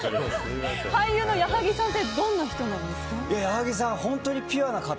俳優の矢作さんってどういう人なんですか？